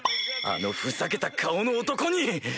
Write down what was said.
あのふざけた顔の男に！